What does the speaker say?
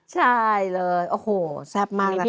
ใช่เลยโอ้โหแซ่บมากนะคะ